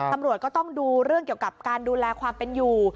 ตำรวจก็ต้องดูเรื่องเกี่ยวกับการดูแลความเป็นอยู่